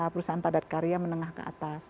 perusahaan padat karya menengah ke atas